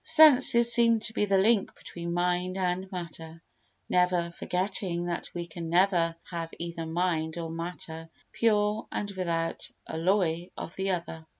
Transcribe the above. The senses seem to be the link between mind and matter—never forgetting that we can never have either mind or matter pure and without alloy of the other.